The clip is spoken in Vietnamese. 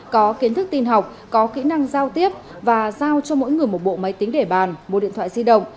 có kiến thức tin học có kỹ năng giao tiếp và giao cho mỗi người một bộ máy tính để bàn mua điện thoại di động